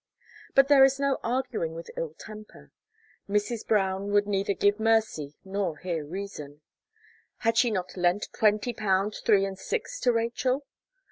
But there is no arguing with ill temper. Mrs. Brown would neither give mercy, nor hear reason. Had she not lent twenty pound three and six to Rachel?